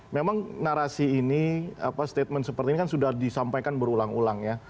memang narasi ini statement seperti ini kan sudah disampaikan berulang ulang ya